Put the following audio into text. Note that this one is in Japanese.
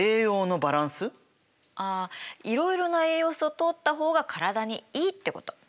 あいろいろな栄養素をとった方が体にいいってこと。